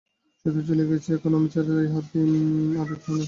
সে তো চলিয়া গেছে, এখন আমি ছাড়া ইহার আর কেহ নাই।